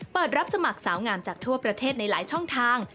เปิดรับสมัครสาวงามจากทั่วประเทศในหลายช่องทาง